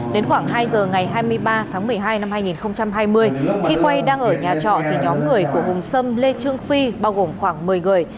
đến khoảng hai giờ ngày hai mươi ba tháng một mươi hai năm hai nghìn hai mươi khi quay đang ở nhà trọ thì nhóm người của hùng sâm lê trương phi bao gồm khoảng một mươi người